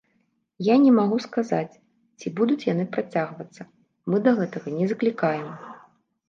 Я не магу сказаць, ці будуць яны працягвацца, мы да гэтага не заклікаем.